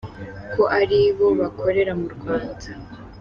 ko ari bo bakorera mu Rwanda.